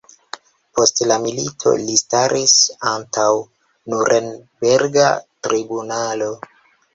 Post la milito li staris antaŭ Nurenberga tribunalo.